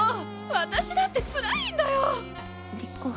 私だってつらいんだよぉっ！